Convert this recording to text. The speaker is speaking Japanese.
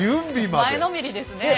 前のめりですねえ。